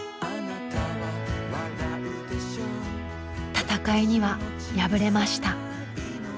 戦いには敗れました。